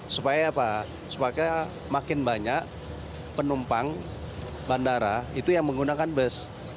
supaya apa supaya makin banyak penumpang bandara itu yang menggunakan bus